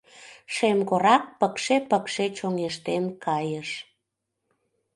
Шемкорак пыкше-пыкше чоҥештен кайыш.